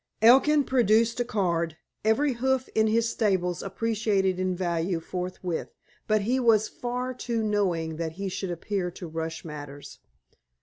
Elkin produced a card. Every hoof in his stables appreciated in value forthwith, but he was far too knowing that he should appear to rush matters.